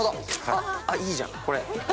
いいじゃん、これ。